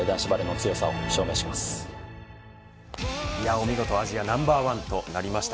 お見事アジアナンバーワンとなりました。